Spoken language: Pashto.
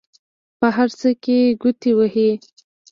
په هر څه کې ګوتې وهي.